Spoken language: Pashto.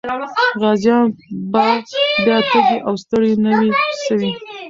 غازيان به بیا تږي او ستړي نه وي سوي.